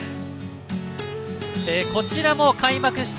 こちらも開幕した